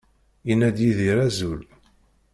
Yenna-d Yidir azul.